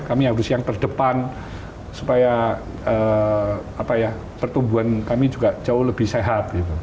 kami harus yang terdepan supaya pertumbuhan kami juga jauh lebih sehat